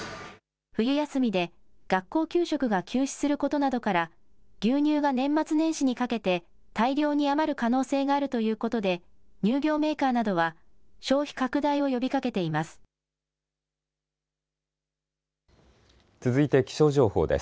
冬休みで学校給食が休止することなどから牛乳が年末年始にかけて大量に余る可能性があるということで乳業メーカーなどは消費拡大を呼びかけています。